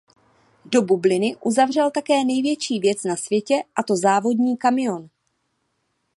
Do bubliny uzavřel také největší věc na světě a to závodní kamion.